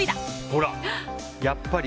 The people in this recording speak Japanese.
ほら、やっぱり！